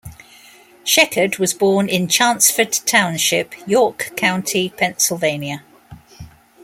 Sheckard was born in Chanceford Township, York County, Pennsylvania.